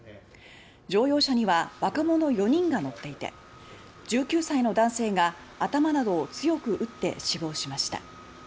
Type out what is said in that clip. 乗用車には若者４人が乗っていて１９歳の男性が頭などを強く打って死亡しました。